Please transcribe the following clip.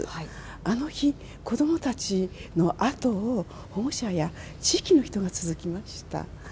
あの日、子どもたちのあとを保護者や地域の人が続きました。